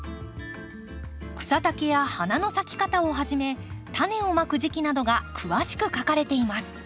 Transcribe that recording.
草丈や花の咲き方をはじめタネをまく時期などが詳しく書かれています。